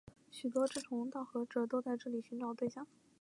许多志同道合者都在这里寻找对象。